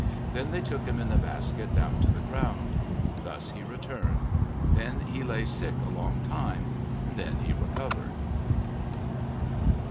Then they took him in the basket down to the ground. Thus he returned. Then he lay sick a long time, then he recovered.